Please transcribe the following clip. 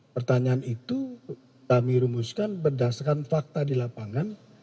pertanyaan itu kami rumuskan berdasarkan fakta di lapangan